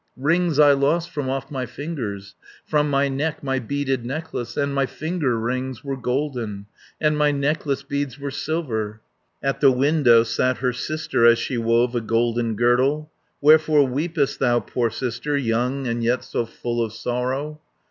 Rings I lost from off my fingers, From my neck my beaded necklace, 60 And my finger rings were golden, And my necklace beads were silver." At the window sat her sister, As she wove a golden girdle "Wherefore weepest thou, poor sister, Young, and yet so full of sorrow?"